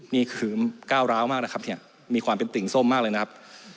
นี่คือก้าวร้าวมากนะครับเนี่ยมีความเป็นติ่งส้มมากเลยนะครับ